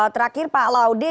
terakhir pak laude